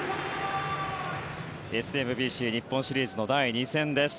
ＳＭＢＣ日本シリーズの第２戦です。